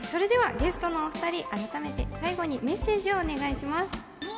ゲストのお２人、あらためてメッセージをお願いします。